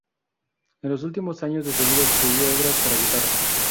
En los últimos años de su vida escribió obras para guitarra.